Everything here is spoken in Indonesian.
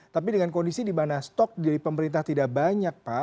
tapi dengan kondisi di mana stok dari pemerintah tidak banyak pak